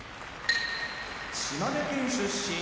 島根県出身